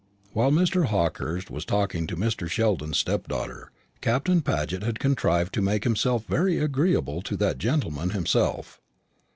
While Mr. Hawkehurst was talking to Mr. Sheldon's stepdaughter, Captain Paget had contrived to make himself very agreeable to that gentleman himself.